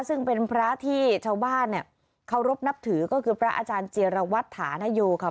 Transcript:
ซึ่งเป็นพระที่ชาวบ้านเนี่ยเคารพนับถือก็คือพระอาจารย์เจียรวัตถานโยค่ะ